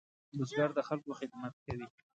بزګر د خلکو خدمت کوي